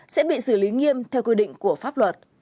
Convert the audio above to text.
sẽ bị xử lý nghiêm theo quy định của pháp luật